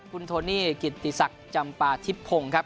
คุณโทนี่กิติศักดิ์จำปาทิพพงศ์ครับ